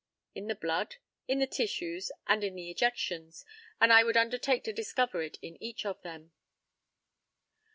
In the blood, in the tissues, and in the ejections; and I would undertake to discover it in each of them.